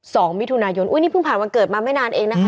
สองมิถุนายนอุ้ยนี่เพิ่งผ่านวันเกิดมาไม่นานเองนะคะ